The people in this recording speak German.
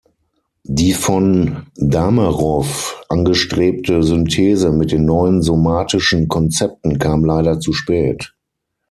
Die von Damerow angestrebte Synthese mit den neuen somatischen Konzepten kam leider zu spät.